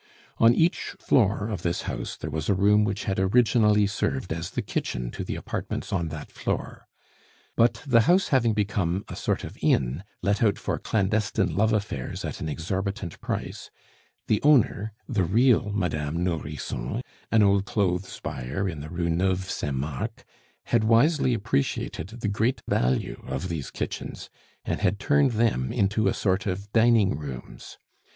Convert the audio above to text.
On each floor of this house there was a room which had originally served as the kitchen to the apartments on that floor. But the house having become a sort of inn, let out for clandestine love affairs at an exorbitant price, the owner, the real Madame Nourrisson, an old clothes buyer in the Rue Nueve Saint Marc, had wisely appreciated the great value of these kitchens, and had turned them into a sort of dining rooms.